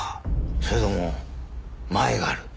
それともマエがある？